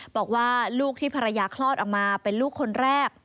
บอกว่าลูกที่ภรรยาคลอดออกมาเป็นลูกคนแรก